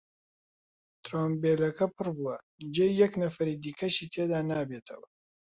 تڕومبێلەکە پڕ بووە، جێی یەک نەفەری دیکەشی تێدا نابێتەوە.